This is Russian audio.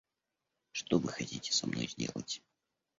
Что вы хотите со мной сделать?